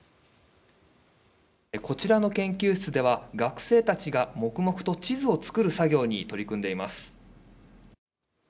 こちらの研究室では学生たちが黙々と地図を作る作業に取り組んでいます。